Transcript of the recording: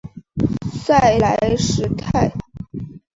塞莱什泰。